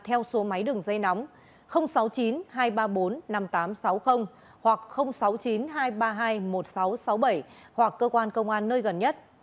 theo số máy đường dây nóng sáu mươi chín hai trăm ba mươi bốn năm nghìn tám trăm sáu mươi hoặc sáu mươi chín hai trăm ba mươi hai một nghìn sáu trăm sáu mươi bảy hoặc cơ quan công an nơi gần nhất